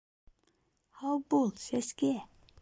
Һау бул, Сәскә!